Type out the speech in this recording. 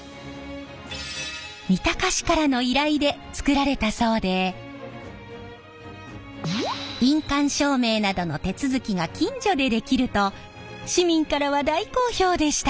三鷹市からの依頼で作られたそうで印鑑証明などの手続きが近所でできると市民からは大好評でした！